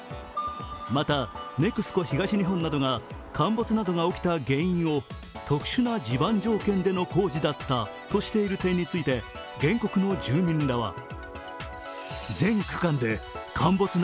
また、ＮＥＸＣＯ東日本などが陥没などが起きた原因を特殊な地盤条件での工事だったとしている点について原告の住民らは